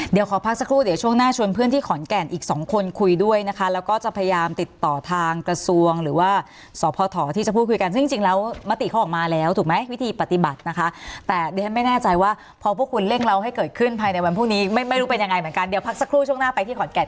เดี๋ยวขอพักสักครู่เดี๋ยวช่วงหน้าชวนเพื่อนที่ขอนแก่นอีก๒คนคุยด้วยนะคะแล้วก็จะพยายามติดต่อทางกระทรวงหรือว่าสอบพทที่จะพูดคุยกันซึ่งจริงแล้วมติเขาออกมาแล้วถูกไหมวิธีปฏิบัตินะคะแต่เดี๋ยวให้ไม่แน่ใจว่าพอพวกคุณเล่งเราให้เกิดขึ้นภายในวันพรุ่งนี้ไม่รู้เป็นยังไงเหมือนกัน